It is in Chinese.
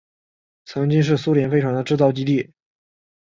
曾经是苏联飞船的制造基地。